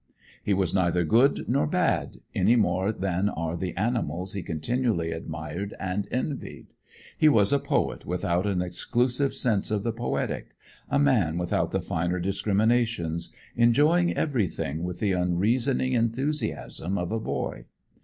He was neither good nor bad, any more than are the animals he continually admired and envied. He was a poet without an exclusive sense of the poetic, a man without the finer discriminations, enjoying everything with the unreasoning enthusiasm of a boy.